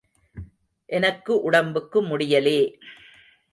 எனக்கு உடம்புக்கு முடியலே.